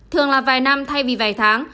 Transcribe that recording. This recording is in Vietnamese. thường là vài năm thay vì vài tháng